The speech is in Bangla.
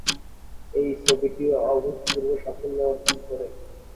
এই ছবিটি অভূতপূর্ব সাফল্য অর্জন করে।